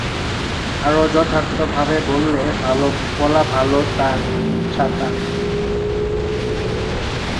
আরও যথার্থভাবে বললে বলা ভালো তাঁর ছাতা।